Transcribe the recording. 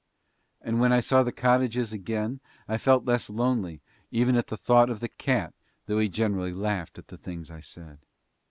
And when I saw the cottages again I felt less lonely even at the thought of the cat though he generally laughed at the things I said.